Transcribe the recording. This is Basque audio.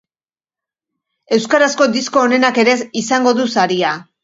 Euskarazko disko onenak ere izango du saria.